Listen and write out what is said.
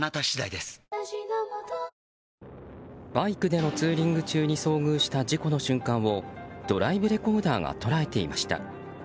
バイクでのツーリング中に遭遇した事故の瞬間をドライブレコーダーが捉えていました。